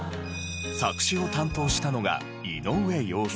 作詞を担当したのが井上陽水。